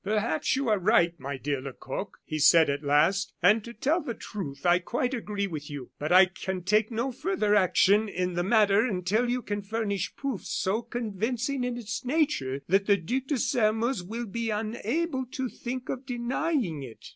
"Perhaps you are right, my dear Lecoq," he said, at last; "and to tell the truth, I quite agree with you. But I can take no further action in the matter until you can furnish proof so convincing in its nature that the Duc de Sairmeuse will be unable to think of denying it."